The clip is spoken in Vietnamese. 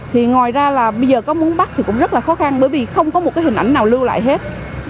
thì ngoài ra là bây giờ có muốn bắt thì cũng rất là khó khăn bởi vì không có một cái hình ảnh nào lưu lại hết